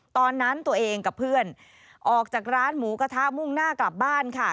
ตอนนั้นตัวเองกับเพื่อนออกจากร้านหมูกระทะมุ่งหน้ากลับบ้านค่ะ